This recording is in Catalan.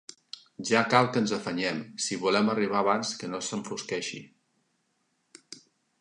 Ja cal que ens afanyem, si volem arribar abans que no s'enfosqueixi.